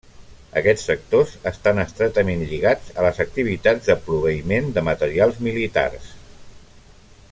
Aquests sectors estan estretament lligats a les activitats de proveïment de materials militars.